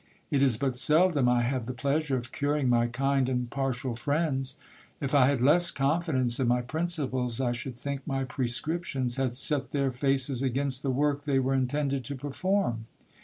It is but seldom I have the pleasure of curing my kind and partial friends. If I had less confidence in my principles, I should think my prescriptions had set their faces against the work they were intended to perform.